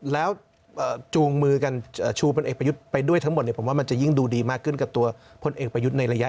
แล้วจูงมือกันชูพลเอกประยุทธ์ไปด้วยทั้งหมดเนี่ยผมว่ามันจะยิ่งดูดีมากขึ้นกับตัวพลเอกประยุทธ์ในระยะ